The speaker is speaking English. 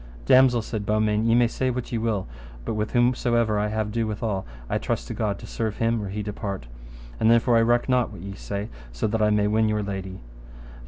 Damosel, said Beaumains, ye may say what ye will, but with whomsomever I have ado withal, I trust to God to serve him or he depart. And therefore I reck not what ye say, so that I may win your lady.